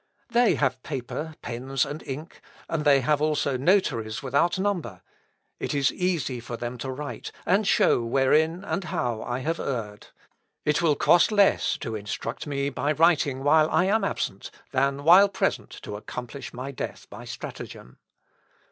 They have paper, pens, and ink, and they have also notaries without number. It is easy for them to write, and show wherein and how I have erred. It will cost less to instruct me by writing while I am absent, than while present to accomplish my death by stratagem.